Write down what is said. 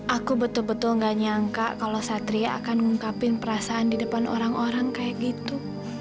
aku betul betul gak nyangka kalau satria akan ngungkapin perasaan di depan orang orang kayak gitu